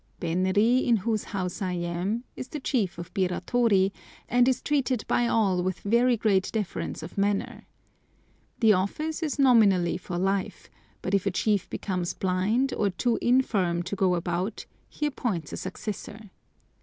Benri, in whose house I am, is the chief of Biratori, and is treated by all with very great deference of manner. The office is nominally for life; but if a chief becomes blind, or too infirm to go about, he appoints a successor.